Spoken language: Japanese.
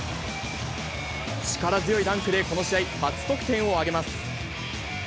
力強いダンクで、この試合、初得点を挙げます。